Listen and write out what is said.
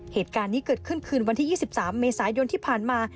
เหตุการณ์นี้เกิดขึ้นคืนวันที่๒๓เมษายนที่ผ่านมา